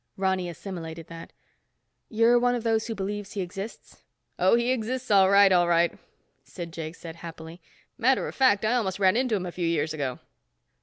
Ronny assimilated that. "You're one of those who believes he exists?" "Oh, he exists all right, all right," Sid Jakes said happily. "Matter of fact, I almost ran into him a few years ago."